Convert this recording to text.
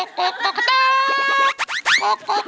ขอบคุณครับ